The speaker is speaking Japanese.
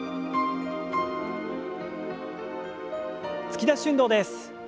突き出し運動です。